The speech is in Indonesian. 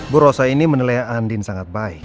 bu rosa ini menilai andin sangat baik